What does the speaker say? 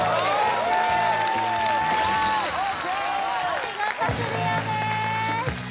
お見事クリアです